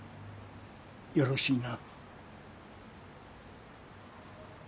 よろしいな？